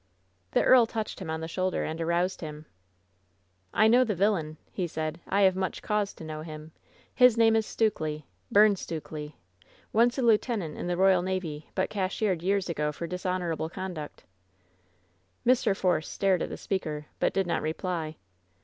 The earl touched him on the shoulder and aroused him. "I know the villain!" he said. "I have much cause to know him! His name is Stukely — Byrne Stukely — WHEN SHADOWS DIE 81 once a lieutenant in the royal navy, but cashiered yeara a^o for dishonorable conduct." Mr. Force stared at the speaker, but did not reply.